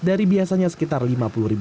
dari biasanya sekitar rp lima puluh